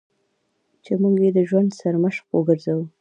چې موږ یې د ژوند سرمشق وګرځوو.